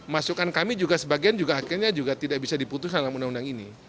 masukan kami juga sebagian juga akhirnya juga tidak bisa diputuskan dalam undang undang ini